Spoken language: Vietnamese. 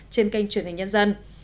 trên kênh truyền hình nhân dân